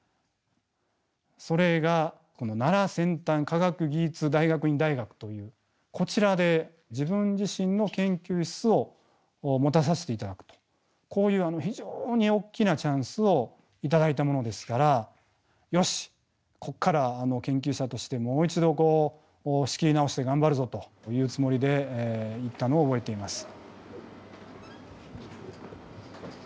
それが奈良先端科学技術大学院大学というこちらで自分自身の研究室を持たさせて頂くとこういう非常に大きなチャンスを頂いたものですからよしここから研究者としてもう一度仕切り直して頑張るぞというつもりで行ったのを覚えています。